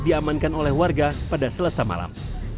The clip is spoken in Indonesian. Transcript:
diamankan oleh warga pada selasa malam